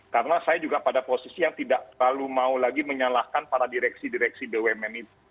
karena saya juga pada posisi yang tidak terlalu mau lagi menyalahkan para direksi direksi bumn itu